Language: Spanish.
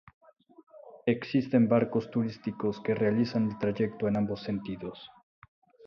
Existen barcos turísticos que realizan el trayecto en ambos sentidos.